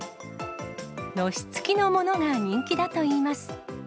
のし付のものが人気だといいます。